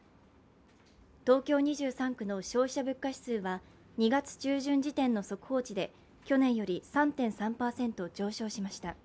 東京２３区の消費者物価指数は２月中旬時点の速報値で、去年より３．３％上昇しました。